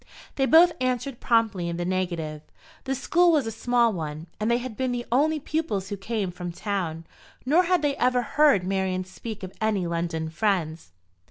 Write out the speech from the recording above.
They both answered promptly in the negative. The school was a small one, and they had been the only pupils who came from town; nor had they ever heard Marian speak of any London friends.